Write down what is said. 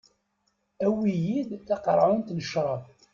Awi-yi-d taqerɛunt n cṛab.